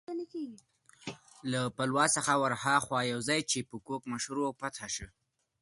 له پلاوا څخه ورهاخوا یو ځای چې په کوک مشهور و، فتح شوی و.